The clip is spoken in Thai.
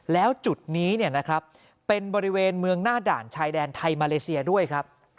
แล้วจุดนี้นะครับเป็นบริเวณเมืองหน้าด่านชายแดนไทยมาเลเซียด้วยครับ